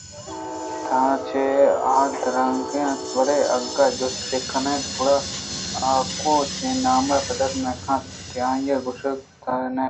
تہا چہ آ دلگران اَت بلئے اگاں جست بہ کنت گڑا آ کوچان ءِ نام ءَ پدّر نہ کنت کہ آئیءَ گوٛشتگ تہا بہ نند